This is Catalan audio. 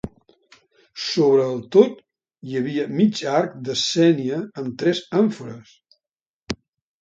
Sobre el tot, hi havia mig arc de sénia amb tres àmfores.